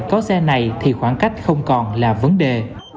có xe này thì khoảng cách không còn là vấn đề